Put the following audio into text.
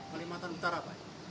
kalimantan utara pak